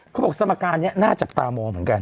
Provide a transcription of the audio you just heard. เขาบอกสมการนี้น่าจับตามองเหมือนกัน